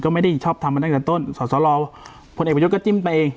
ก็ไม่ได้ชอบทำมาตั้งแต่ต้นสอสรพลเอกประยุทธ์ก็จิ้มไปเอง